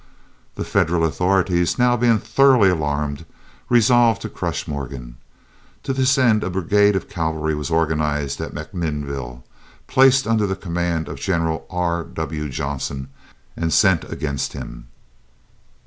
The Federal authorities, now being thoroughly alarmed, resolved to crush Morgan. To this end a brigade of cavalry was organized at MacMinnville, placed under the command of General R. W. Johnson, and sent against him.